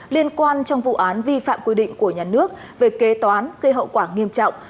liên quan trong vụ án vi phạm quy định của nhà nước về kế toán gây hậu quả nghiêm trọng